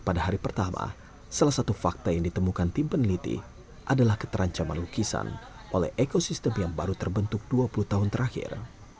pada hari pertama salah satu fakta yang ditemukan tim peneliti adalah keterancaman lukisan oleh ekosistem yang baru terbentuk dua puluh tahun terakhir